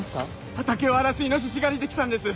畑を荒らすイノシシ狩りで来たんです。